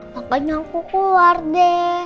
makanya aku keluar deh